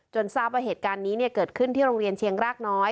ทราบว่าเหตุการณ์นี้เกิดขึ้นที่โรงเรียนเชียงรากน้อย